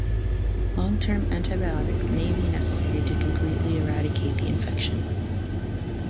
Long-term antibiotics may be necessary to completely eradicate the infection.